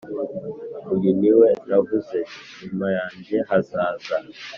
Uyu ni we navuze nti Nyuma yanjye hazaza